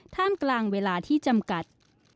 ท่ามกลางเวลาที่จำกัด